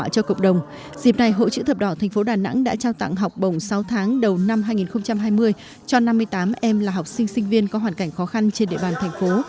cho năm mươi tám em là học sinh sinh viên có hoàn cảnh khó khăn trên địa bàn thành phố